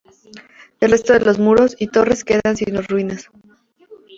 Del resto de los muros y torres no quedan sino ruinas.